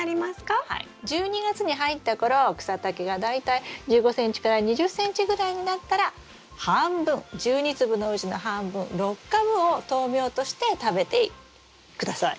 １２月に入った頃草丈が大体１５ｃｍから２０ｃｍぐらいになったら半分１２粒のうちの半分６株を豆苗として食べて下さい。